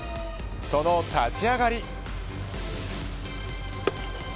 その立ち上がり。